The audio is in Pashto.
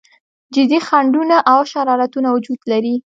جدي خنډونه او شرارتونه وجود لري.